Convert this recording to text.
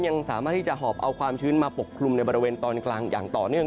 ยังสามารถที่จะหอบเอาความชื้นมาปกคลุมในบริเวณตอนกลางอย่างต่อเนื่อง